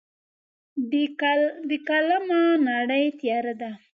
بې قلمه نړۍ تیاره ده.